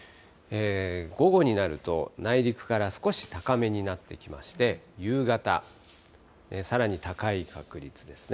午後になると内陸から少し高めになってきまして、夕方、さらに高い確率ですね。